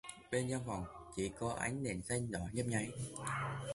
Bên trong phòng chỉ có ảnh đèn xanh đỏ nhấp nháy